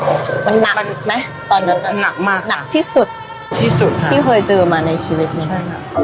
มันหนักมันไหมตอนนั้นหนักมากหนักที่สุดที่สุดที่เคยเจอมาในชีวิตนี้ใช่ค่ะ